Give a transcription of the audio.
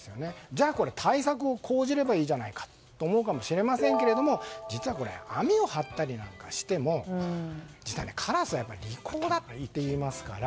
じゃあ、対策を講じればいいじゃないかと思うかもしれませんけど実は網を張ったりなんかしてもカラスは利口だといいますから。